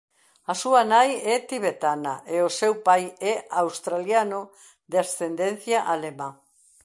A súa nai é tibetana e o seu pai é australiano de ascendencia alemá.